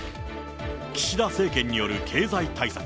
岸田政権による経済対策。